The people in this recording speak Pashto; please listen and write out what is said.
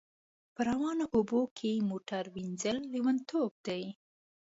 په روانو اوبو کښی موټر وینځل لیونتوب دی